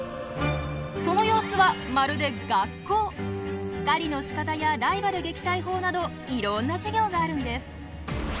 その様子は狩りのしかたやライバル撃退法などいろんな授業があるんです。